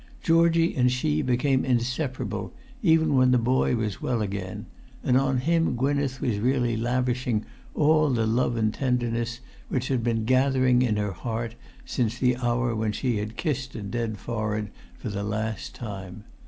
Georgie and she became inseparable, even when the boy was well again; and on him Gwynneth was really lavishing all the love and tenderness which had been gathering in her heart since the hour when she had kissed a dead forehead for the last time.